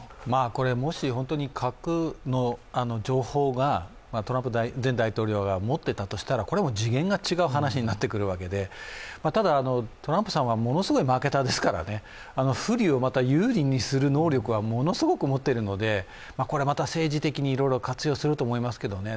これ、もし本当に核の情報がトランプ前大統領が持っていたとしたらこれはもう次元が違う話になってくるわけでただ、トランプさんはものすごいマーケターですから、不利をまた有利にする能力はものすごく持ってるのでこれまた政治的にいろいろ活用すると思いますけどね。